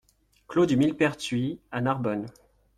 Clos du Millepertuis à Narbonne